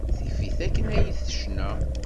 Tif-it akken ay tecna.